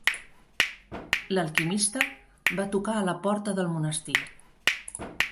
L'alquimista va tocar a la porta del monestir.